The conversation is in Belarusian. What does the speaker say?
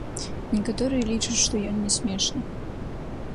Некаторыя лічаць, што ён не смешны.